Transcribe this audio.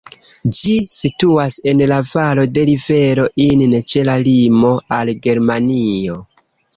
Ĝi situas en la valo de rivero Inn, ĉe la limo al Germanio.